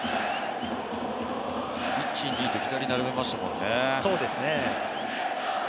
１・２と左を並べましたもんね。